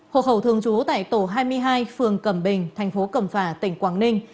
hộ khẩu thường trú tại tổ hai mươi hai phường cẩm bình thành phố cẩm phả tỉnh quảng ninh